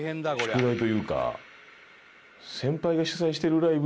宿題というか。